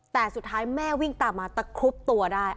แต่สุดท้ายแม่วิ่งตามมาตะครุบตัวได้